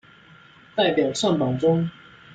代表上榜中